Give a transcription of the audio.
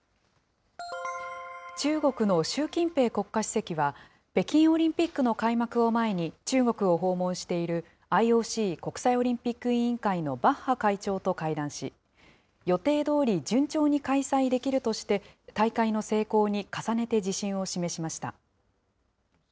中国の習近平国家主席は、北京オリンピックの開幕を前に、中国を訪問しているＩＯＣ・国際オリンピック委員会のバッハ会長と会談し、予定どおり、順調に開催できるとして、大会の成功に重ねて自信を示しました。